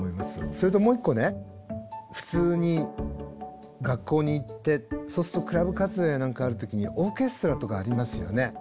それともう一個ね普通に学校に行ってそうするとクラブ活動や何かある時にオーケストラとかありますよね。